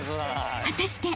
［果たして］